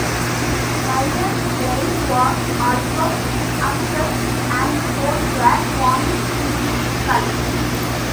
Byers' brain was also abscessed, and holes were forming in his skull.